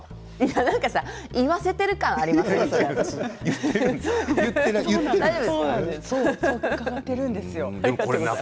なんかさ言わせてる感がありませんか